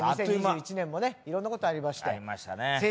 去年２０２１年もねいろんなことありましたよ。